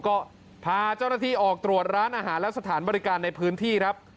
ก็พาเจ้าหน้าที่ออกตรวจร้านอาหารและสถานบริการในพื้นที่ครับ